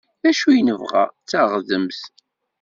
D acu i nebɣa? D taɣdemt!